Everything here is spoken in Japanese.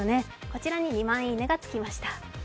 こちらに２万いいねがつきました。